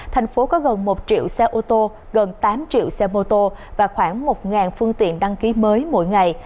thành phố có gần một triệu xe ô tô gần tám triệu xe mô tô và khoảng một phương tiện đăng ký mới mỗi ngày